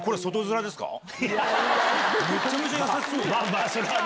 めちゃめちゃ優しそうじゃん。